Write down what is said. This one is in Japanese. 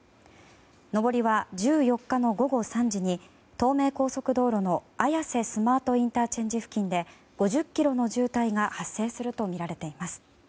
上りは１４日の午後３時に東名高速道路の綾瀬スマートＩＣ付近で５０ｋｍの渋滞が発生するとみられています。